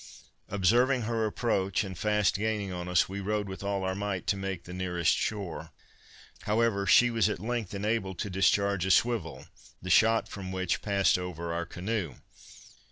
Observing her approach, and fast gaining on us, we rowed with all our might to make the nearest shore. However, she was at length enabled to discharge a swivel, the shot from which passed over our canoe.